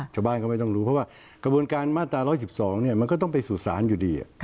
ชาวบ้านก็ไม่ต้องรู้เพราะว่ากระบวนการมาตรา๑๑๒มันก็ต้องไปสู่ศาลอยู่ดี